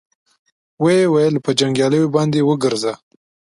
ويې ويل: په جنګياليو باندې وګرځه.